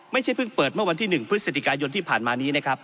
เพิ่งเปิดเมื่อวันที่๑พฤศจิกายนที่ผ่านมานี้นะครับ